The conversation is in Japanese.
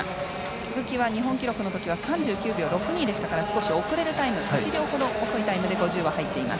鈴木は日本記録のときは３９秒６２でしたから１秒ほど遅いタイムで５０は入っています。